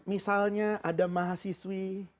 misalnya ada mahasiswi